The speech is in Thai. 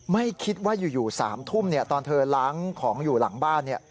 ไม่คิดว่าอยู่๓ทุ่มตอนเธอล้างของอยู่หลังบ้าน